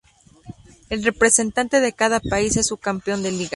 El representante de cada país es su campeón de liga.